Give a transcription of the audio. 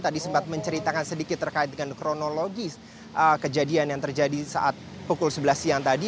tadi sempat menceritakan sedikit terkait dengan kronologi kejadian yang terjadi saat pukul sebelas siang tadi